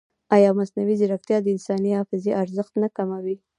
ایا مصنوعي ځیرکتیا د انساني حافظې ارزښت نه کموي؟